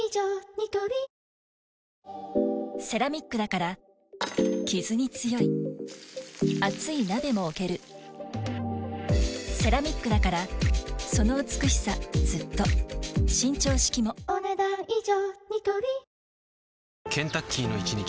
ニトリセラミックだからキズに強い熱い鍋も置けるセラミックだからその美しさずっと伸長式もお、ねだん以上。